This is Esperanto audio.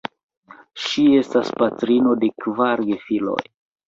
Ŝi estas patrino de kvar gefiloj.